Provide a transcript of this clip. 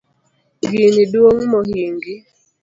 Gini duong mohingi